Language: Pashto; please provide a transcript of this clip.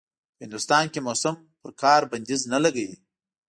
په هندوستان کې موسم پر کار بنديز نه لګوي.